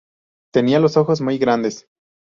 Tenían los ojos muy grandes.